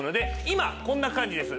今こんな感じです。